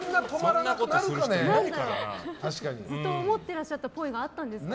ずっと思ってらっしゃった声があったんですかね。